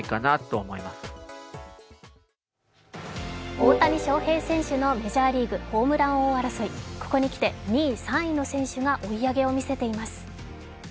大谷翔平選手のメジャーリーグホームラン王争い、ここにきて２位、３位の選手が追い上げを見せています。